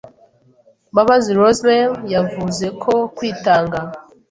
Mbabazi Rosemary, yavuze ko kwitanga